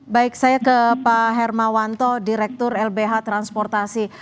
baik saya ke pak hermawanto direktur lbh transportasi